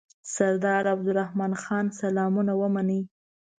سردار عبدالرحمن خان سلامونه ومنئ.